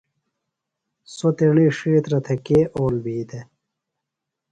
سوۡتیݨی ڇِھیترہ تھےۡ کے اول بھی دےۡ؟